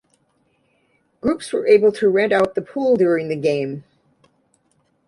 Groups were able to rent out the pool during the game.